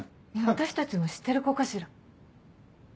私たちも知ってる子かしら？